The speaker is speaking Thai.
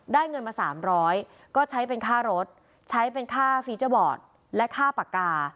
เงินมา๓๐๐ก็ใช้เป็นค่ารถใช้เป็นค่าฟีเจอร์บอร์ดและค่าปากกา